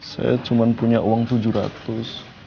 saya cuma punya uang tujuh ratus